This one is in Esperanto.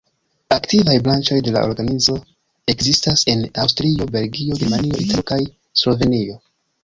Aktivaj branĉoj de la organizo ekzistas en Aŭstrio, Belgio, Germanio, Italio kaj Slovenio.